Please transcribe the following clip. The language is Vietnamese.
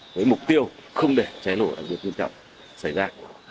với mục tiêu không để cháy lổ được duyên trọng xảy ra